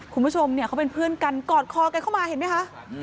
คุณผู้ชมเนี่ยเขาเป็นเพื่อนกันกอดคอกันเข้ามาเห็นไหมคะ